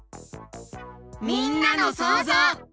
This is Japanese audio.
みんなのそうぞう。